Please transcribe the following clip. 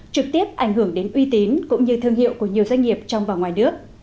trực tiếp ảnh hưởng đến uy tín cũng như thương hiệu của nhiều doanh nghiệp trong và ngoài nước